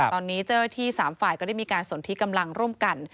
ตอนนี้เจ้าหน้าที่๓ฝ่ายก็ได้มีการสนที่กำลังร่วมกัน